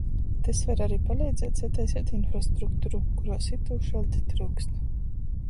Tys var ari paleidzēt sataiseit infrastrukturu, kuruos itūšaļt tryukst.